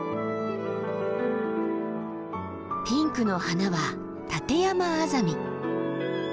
ピンクの花はタテヤマアザミ。